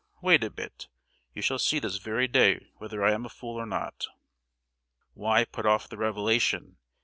Wait a bit; you shall see this very day whether I am a fool or not!" "Why put off the revelation?